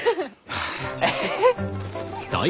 はあ。